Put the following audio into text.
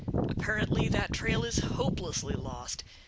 Apparently that trail is hopelessly lost.